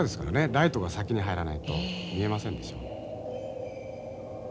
ライトが先に入らないと見えませんでしょう。